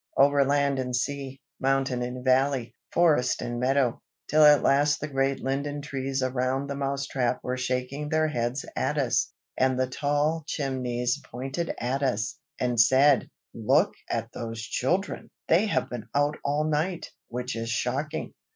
Over land and sea, mountain and valley, forest and meadow, till at last the great linden trees around the Mouse trap were shaking their heads at us, and the tall chimneys pointed at us, and said, "look at those children! they have been out all night, which is shocking.